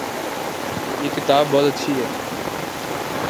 یہ کتاب بہت اچھی ہے